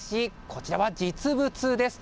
こちらは実物です。